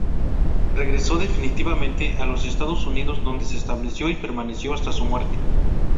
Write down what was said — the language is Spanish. Regresó definitivamente a los Estados Unidos, donde se estableció y permaneció hasta su muerte.